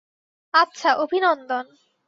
আচ্ছা, অভিনন্দন।